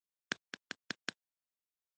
بوره د انرژۍ ښه سرچینه ده.